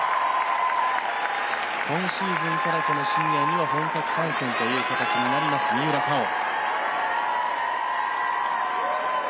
今シーズンからシニアに本格参戦という形になります、三浦佳生。